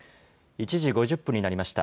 １時５０分になりました。